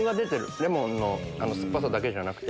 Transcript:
レモンの酸っぱさだけじゃなくて。